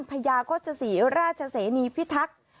พญาโฆษศรีราชเสนีพิทักษ์